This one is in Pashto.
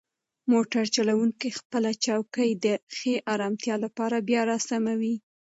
موټر چلونکی خپله چوکۍ د ښې ارامتیا لپاره بیا راسموي.